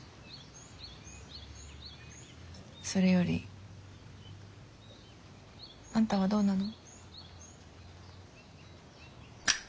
それよりあんたはどうなの？